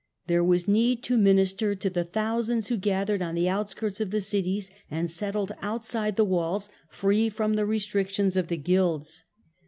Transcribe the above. There was need to minister to the thousands who gathered on the outskirts of the cities, and settled outside the walls free from the restrictions of the guilds.